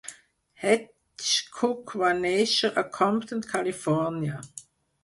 Hedgecock va néixer a Compton, Califòrnia.